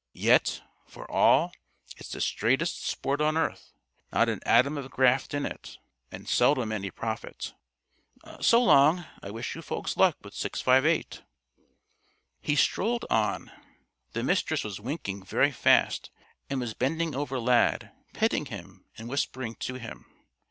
Yet, for all, it's the straightest sport on earth. Not an atom of graft in it, and seldom any profit.... So long! I wish you folks luck with 658." He strolled on. The Mistress was winking very fast and was bending over Lad, petting him and whispering to him.